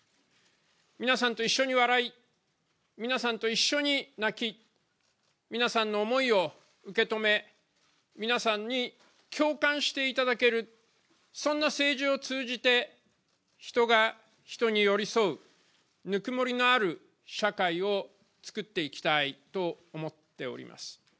皆さんと一緒に笑い、皆さんと一緒に泣き、皆さんの思いを受け止め、皆さんに共感していただける、そんな政治を通じて、人が人に寄り添う、ぬくもりのある社会を作っていきたいと思っております。